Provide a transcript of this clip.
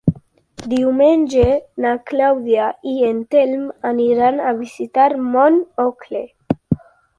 Diumenge na Clàudia i en Telm aniran a visitar mon oncle.